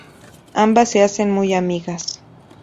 Ambas se hacen muy amigas.